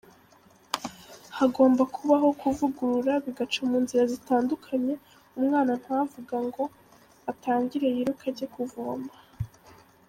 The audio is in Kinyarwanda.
Hagomba kubaho kuvugurura, bigaca mu nzira zitandukanye, umwana ntavuga ngo atangire yiruke ajye kuvoma.